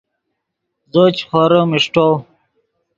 زو چے خوریم اݰٹو